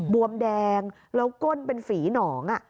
บวมแดงแล้วก้นเป็นฝีหนอง